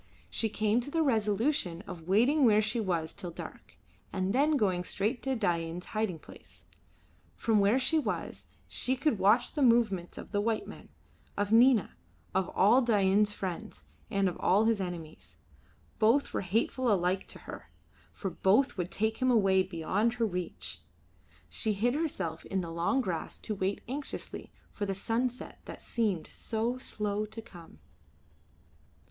She came to the resolution of waiting where she was till dark, and then going straight to Dain's hiding place. From where she was she could watch the movements of white men, of Nina, of all Dain's friends, and of all his enemies. Both were hateful alike to her, for both would take him away beyond her reach. She hid herself in the long grass to wait anxiously for the sunset that seemed so slow to come.